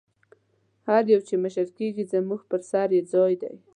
هر یو چې مشر کېږي زموږ پر سر یې ځای دی.